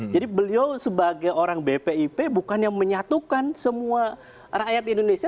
jadi beliau sebagai orang bpip bukan yang menyatukan semua rakyat indonesia